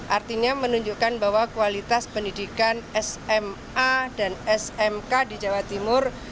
artinya menunjukkan bahwa kualitas pendidikan sma dan smk di jawa timur